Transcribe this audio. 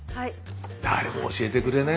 誰も教えてくれない